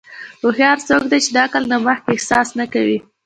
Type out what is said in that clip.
هوښیار څوک دی چې د عقل نه مخکې احساس نه کوي.